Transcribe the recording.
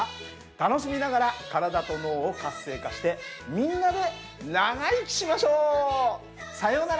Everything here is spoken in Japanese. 楽しみながら体と脳を活性化してみんなで長生きしましょう！さようなら。